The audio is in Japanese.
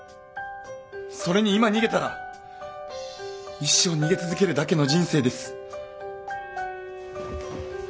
それに今逃げたら一生逃げ続けるだけの人生です。